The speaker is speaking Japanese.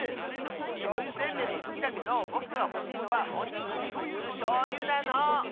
しょうゆせんべいもすきだけどぼくがほしいのはおにぎりにぬるしょうゆなの！